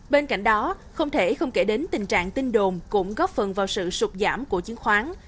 bên cạnh đó không thể không kể đến tình trạng tin đồn cũng góp phần vào sự sụp giảm của chứng khoán